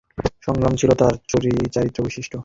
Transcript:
সংগ্রাম ছিল তাঁর চারিত্র্যবৈশিষ্ট্য।